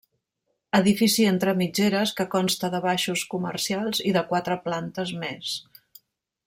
Edifici entre mitgeres que consta de baixos comercials i de quatre plantes més.